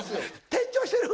転調してる？